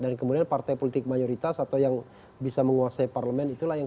dan kemudian partai politik mayoritas atau yang bisa menguasai parlement itulah yang